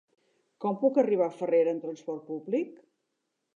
Com puc arribar a Farrera amb trasport públic?